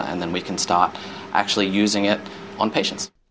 dan kemudian kita bisa mulai menggunakannya pada pasien